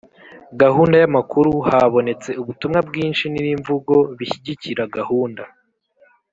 gahunda y amakuru habonetse ubutumwa bwinshi n imvugo bishyigikira gahunda